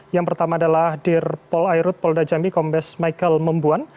yang pertama adalah dir pol airut kapolda jambi kombes michael membuan